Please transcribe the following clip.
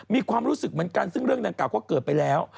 มีความรู้สึกเหมือนกันซึ่งเรื่องดังกล่าก็เกิดไปแล้ว